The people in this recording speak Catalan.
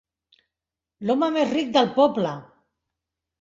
L'home més ric del poble!